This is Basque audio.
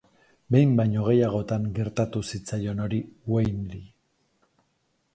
Behin baino gehiagotan gertatu zitzaion hori Wayneri.